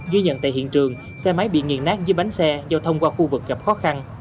ghi nhận tại hiện trường xe máy bị nghiền nát dưới bánh xe giao thông qua khu vực gặp khó khăn